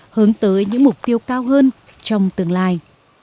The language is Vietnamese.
hướng tới những mục tiêu cao hơn trong tương lai